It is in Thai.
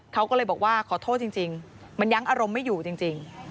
เขาก็เลยบอกว่าขอโทษจริงมันยังอารมณ์ไม่อยู่จริง